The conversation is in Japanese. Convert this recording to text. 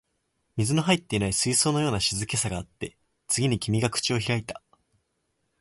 水の入っていない水槽のような静けさがあって、次に君が口を開いた